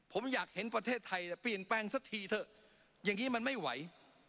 ผมอยากเห็นประเทศไทยเปลี่ยนแปลงสักทีเถอะอย่างนี้มันไม่ไหว